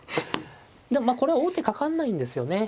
でもまあこれは王手かかんないんですよね。